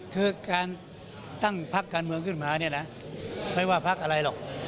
คือการตั้งพักการเมืองขึ้นมาเนี่ยนะไม่ว่าพักอะไรหรอก